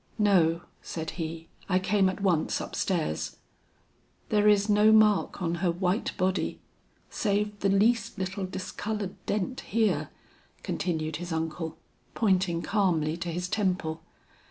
"No," said he, "I came at once up stairs." "There is no mark on her white body, save the least little discolored dent here," continued his uncle, pointing calmly to his temple.